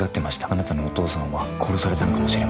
「あなたのお父さんは殺されたのかもしれません」